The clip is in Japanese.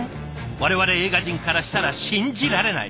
我々映画人からしたら信じられない！